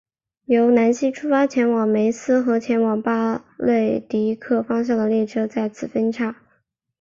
由南锡出发前往梅斯和前往巴勒迪克方向的列车在此分岔。